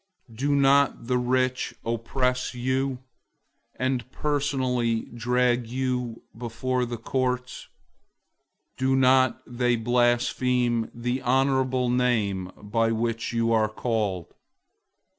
Don't the rich oppress you, and personally drag you before the courts? 002:007 Don't they blaspheme the honorable name by which you are called?